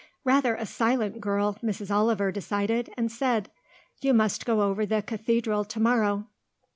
Rather a silent girl, Mrs. Oliver decided, and said, "You must go over the Cathedral to morrow."